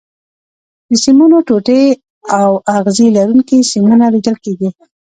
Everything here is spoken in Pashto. د سیمونو ټوټې او اغزي لرونکي سیمونه لیدل کېږي.